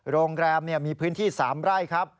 โรงแรมมีพื้นที่๓ไร่ครับ